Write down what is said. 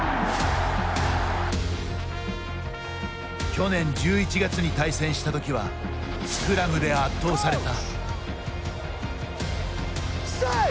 去年１１月に対戦した時はスクラムで圧倒された。